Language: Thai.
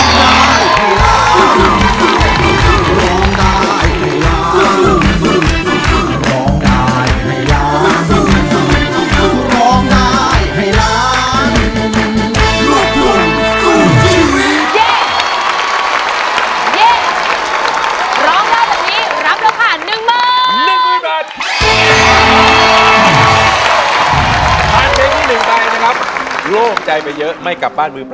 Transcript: ไม่ต้องร้องได้ให้ล้าง